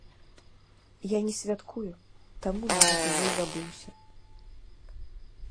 Я не святкую, таму нават ужо і забыўся.